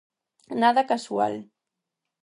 Nada casual.